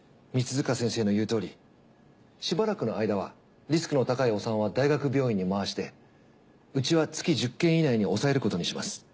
三塚先生の言うとおりしばらくの間はリスクの高いお産は大学病院に回してうちは月１０件以内に抑えることにします。